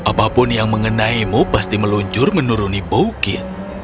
secara alami apapun yang mengenaimu pasti meluncur menuruni bukit